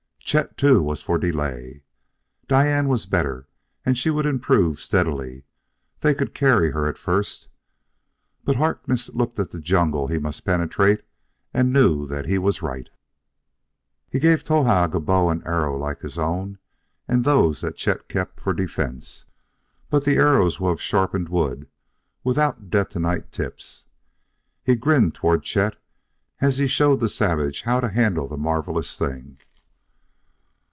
Chet, too, was for delay Diane was better, and she would improve steadily. They could carry her, at first. But Harkness looked at the jungle he must penetrate and knew that he was right. He gave Towahg a bow and arrows like his own and those that Chet kept for defense, but the arrows were of sharpened wood without detonite tips. He grinned toward Chet as he showed the savage how to handle the marvellous thing.